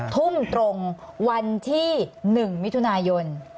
ทุ่มตรงวันที่๑มิถุนายน